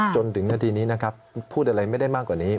จนถึงนาทีนี้นะครับพูดอะไรไม่ได้มากกว่านี้